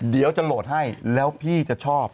เดี๋ยวจะโหลดให้แล้วพี่จะชอบ